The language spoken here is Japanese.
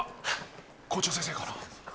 校長先生かな？